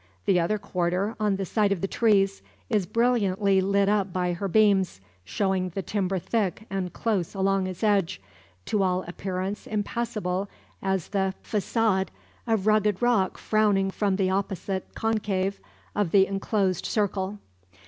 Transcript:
The other quarter, on the side of the trees, is brilliantly lit up by her beams, showing the timber thick and close along its edge, to all appearance impassable as the facade of rugged rock frowning from the opposite concave of the enclosed circle.